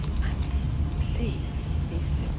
"And please be c^^H!